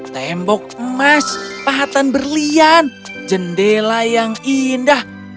tembok emas pahatan berlian jendela yang indah